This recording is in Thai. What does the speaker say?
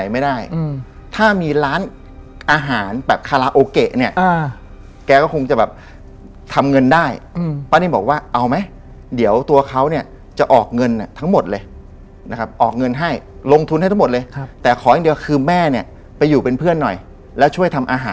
มันรับกันไม่ได้อะไรอย่างนี้ฮะ